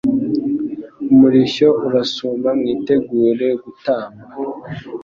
Umurishyo urasuma mwitegure gutamba